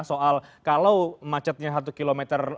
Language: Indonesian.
soal kalau macetnya satu km lebih di mana kita bisa menggunakan motor